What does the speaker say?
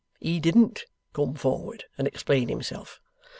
He DIDN'T come forward and explain himself.